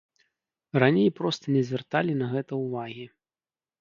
Раней проста не звярталі на гэта ўвагі.